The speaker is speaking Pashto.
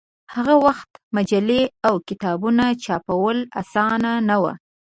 هغه وخت مجلې او کتابونه چاپول اسان نه و.